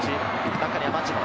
中には町野。